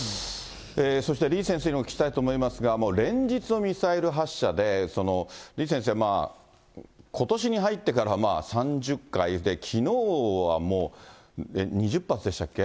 そして、李先生にお聞きしたいと思いますが、連日ミサイル発射で、李先生、ことしに入ってから３０回で、きのうはもう、２０発でしたっけ？